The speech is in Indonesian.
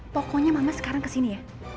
pokoknya mama sekarang kesini ya